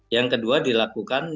yang kedua dilakukan